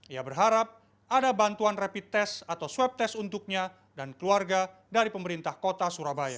ia berharap ada bantuan rapid test atau swab test untuknya dan keluarga dari pemerintah kota surabaya